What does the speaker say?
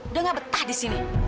udah gak betah disini